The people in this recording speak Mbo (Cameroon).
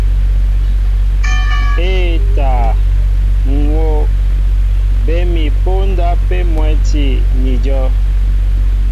E᷇ taa, ŋ̀ hów, bé mi póndá pē mwɛ́ti ni ajow.